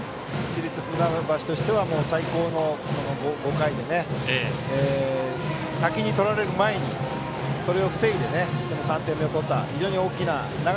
市立船橋としては最高の５回で先に取られる前にそれを防いで３点目を取った。